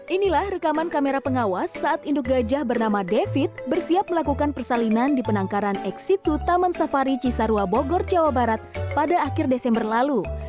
inilah rekaman kamera pengawas saat induk gajah bernama david bersiap melakukan persalinan di penangkaran eksitu taman safari cisarua bogor jawa barat pada akhir desember lalu